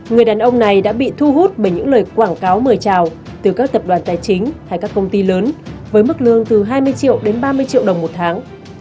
người đàn ông này đã bị thu hút bởi những lời quảng cáo mời trào từ các tập đoàn tài chính hay các công ty lớn với mức lương từ hai mươi triệu đến ba mươi triệu đồng một tháng